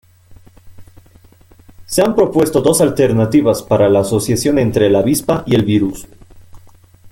Se han propuesto dos alternativas para la asociación entre la avispa y el virus.